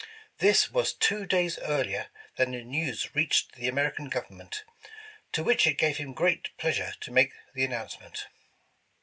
This was two days earlier than the news reached the Ameri can Government, to which it gave him great pleasure to make the announcement.